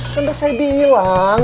kan udah saya bilang